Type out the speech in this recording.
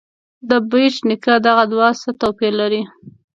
د بېټ نیکه دغه دعا څه توپیر لري.